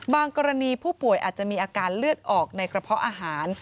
กรณีผู้ป่วยอาจจะมีอาการเลือดออกในกระเพาะอาหาร